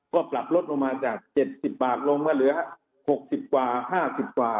ก็ปรับลดลงมาจาก๗๐บาทลงมาเหลือ๖๐กว่า๕๐กว่า